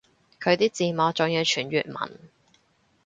佢啲字幕仲要全粵文